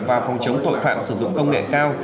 và phòng chống tội phạm sử dụng công nghệ cao